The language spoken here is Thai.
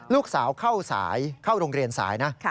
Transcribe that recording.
ลูกสาวเข้าลงเรียนสายนะ